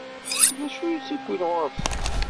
D acu i tt-iwwin ɣur-sent?